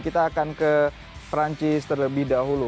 kita akan ke perancis terlebih dahulu